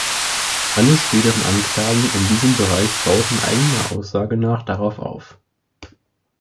Alle späteren Anklagen in diesem Bereich bauten eigener Aussage nach darauf auf.